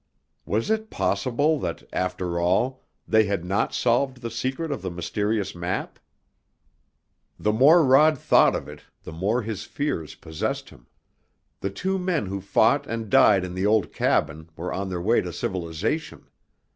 Was it possible that, after all, they had not solved the secret of the mysterious map? The more Rod thought of it the more his fears possessed him. The two men who fought and died in the old cabin were on their way to civilization.